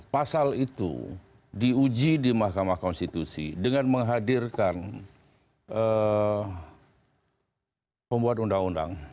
pasal itu diuji di mahkamah konstitusi dengan menghadirkan pembuat undang undang